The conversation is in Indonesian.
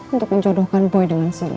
untuk menjodohkan boy dengan zulo